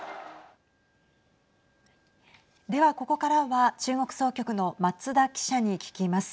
では、ここからは中国総局の松田記者に聞きます。